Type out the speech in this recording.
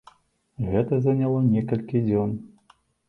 Гэта заняло некалькі дзён.